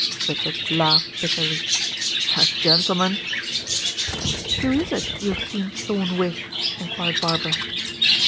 Richard laughed bitterly. "A gentleman?" "Who is it you have seen Thorn with?" inquired Barbara.